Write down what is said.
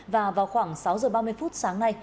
và vào khoảng sáu giờ ba mươi phút sáng nay